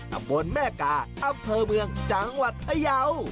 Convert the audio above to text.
ตำบลแม่กาอำเภอเมืองจังหวัดพยาว